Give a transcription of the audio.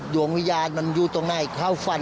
หวงวิญญาณมันอยู่ตรงหน้าอีกคร่าวฟัน